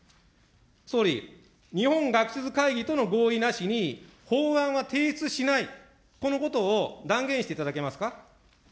総理、日本学術会議との合意なしに法案は提出しない、このことを断言していただけますか。